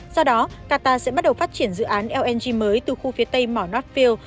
do đó qatar sẽ bắt đầu phát triển dự án lng mới từ khu phía tây mỏ nátfield